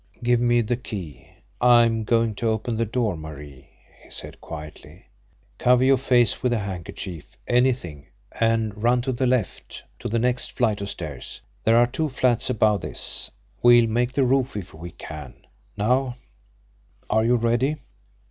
"Give me the key, I am going to open the door, Marie," he said quietly. "Cover your face with a handkerchief, anything, and run to the LEFT to the next flight of stairs. There are two flats above this we'll make the roof if we can. Now are you ready?"